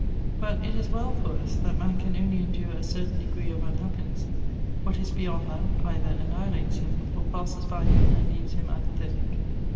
But it is well for us that man can only endure a certain degree of unhappiness ; what is beyond that, either annihilates him, or passes by him, and leaves him apathetic.